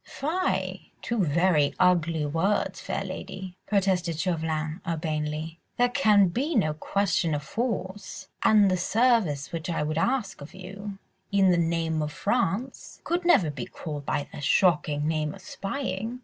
"Fie! two very ugly words, fair lady," protested Chauvelin, urbanely. "There can be no question of force, and the service which I would ask of you, in the name of France, could never be called by the shocking name of spying."